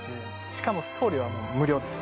しかも送料は無料です。